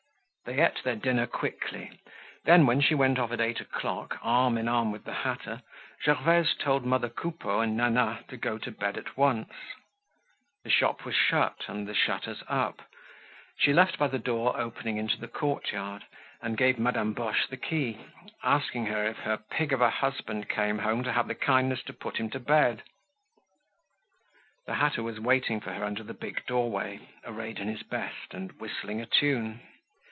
They ate their dinner quickly. Then, when she went off at eight o'clock, arm in arm with the hatter, Gervaise told mother Coupeau and Nana to go to bed at once. The shop was shut and the shutters up. She left by the door opening into the courtyard and gave Madame Boche the key, asking her, if her pig of a husband came home, to have the kindness to put him to bed. The hatter was waiting for her under the big doorway, arrayed in his best and whistling a tune.